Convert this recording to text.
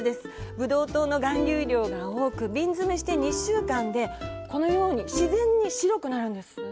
ブドウ糖の含有量が多く瓶詰して２週間でこのように自然に白くなるんです。